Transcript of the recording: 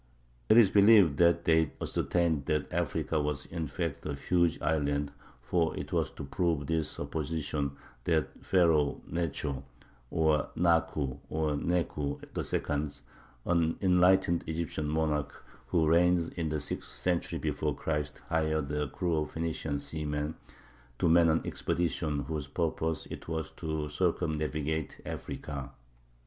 It is believed that they ascertained that Africa was, in fact, a huge island; for it was to prove this supposition that Pharaoh Necho (or Naku or Neku) II, an enlightened Egyptian monarch who reigned in the sixth century before Christ, hired a crew of Phenician seamen to man an expedition whose purpose it was to circumnavigate Africa.